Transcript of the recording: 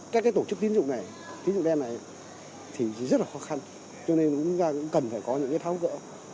các tổ chức tin dụng đen này thì rất là khó khăn cho nên chúng ta cũng cần phải có những tháo cỡ